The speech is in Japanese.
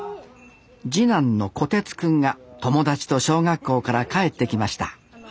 次男の胡徹くんが友達と小学校から帰ってきました